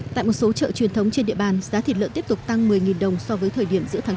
tại một số chợ truyền thống trên địa bàn giá thịt lợn tiếp tục tăng một mươi đồng so với thời điểm giữa tháng bốn